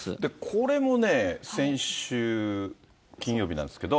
これもね、先週金曜日なんですけど。